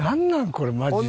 これマジで。